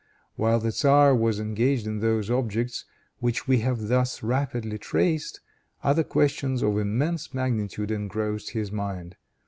While the tzar was engaged in those objects which we have thus rapidly traced, other questions of immense magnitude engrossed his mind.